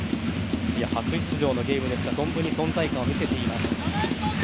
初出場のゲームですが存分に存在感を見せています。